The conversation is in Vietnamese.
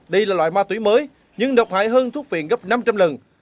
đây là loại ma túy mới nhưng độc hại hơn thuốc phiện gấp năm trăm linh lần